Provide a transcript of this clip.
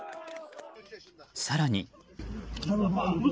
更に。